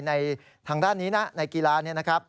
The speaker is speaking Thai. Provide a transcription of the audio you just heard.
ในทางด้านนี้นะในกีฬานี้นะครับ